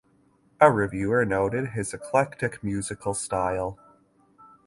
A reviewer noted his eclectic musical style.